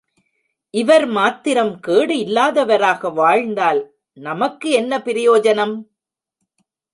இவர் மாத்திரம் கேடு இல்லாதவராக வாழ்ந்தால் நமக்கு என்ன பிரயோஜனம்?